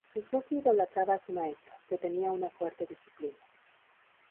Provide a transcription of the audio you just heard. Suzuki idolatraba a su maestro, que tenía una fuerte disciplina.